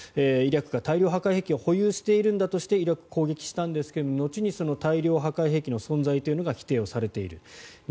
イラクが大量破壊兵器を保有しているんだとしてイラクを攻撃したんですが後に大量破壊兵器の存在というのが否定をされている。